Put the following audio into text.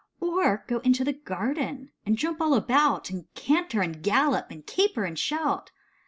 Or go into the garden, and jump all about. And canter and gallop, and caper and shout